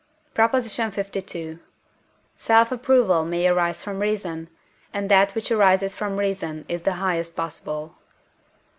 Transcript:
PROP. LII. Self approval may arise from reason, and that which arises from reason is the highest possible.